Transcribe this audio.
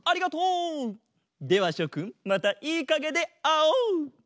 ではしょくんまたいいかげであおう！